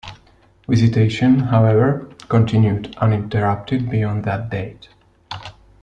Visitation, however, continued uninterrupted beyond that date.